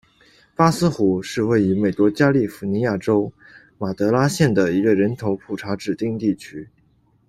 巴斯湖是位于美国加利福尼亚州马德拉县的一个人口普查指定地区。